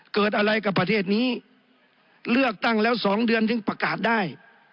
เกิดอะไรกับประเทศนี้เลือกตั้งแล้ว๒เดือนถึงประกาศได้